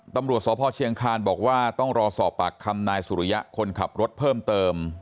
ตำรวจสพเชียงคานบอกว่าต้องรอสอบปากคำนายสุริยะคนขับรถเพิ่มเติม